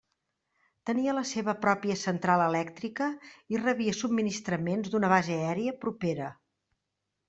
Tenia la seva pròpia central elèctrica i rebia subministraments d'una base aèria propera.